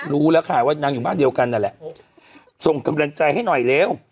รู้แล้วค่ะว่านางอยู่บ้านเดียวกันนั่นแหละส่งกำลังใจให้หน่อยเร็ว